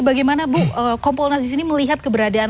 bagaimana bu kompolnas disini melihat keberadaan